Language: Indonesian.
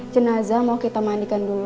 jenazah mau kita mandikan dulu